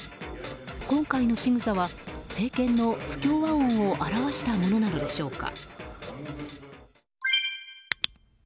今回のしぐさは政権の不協和音を表したものなのでしょうか。